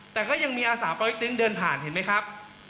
แต่ก็ยังมีอาสาปอเล็กตึงเดินผ่านเห็นไหมครับ